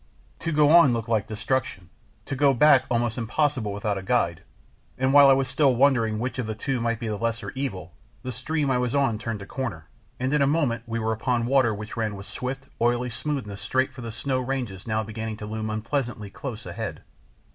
To go on looked like destruction, to go back was almost impossible without a guide; and while I was still wondering which of the two might be the lesser evil, the stream I was on turned a corner, and in a moment we were upon water which ran with swift, oily smoothness straight for the snow ranges now beginning to loom unpleasantly close ahead.